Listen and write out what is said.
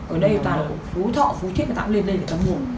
ở đây người ta cũng phú thọ phú thiết người ta cũng lên đây người ta mua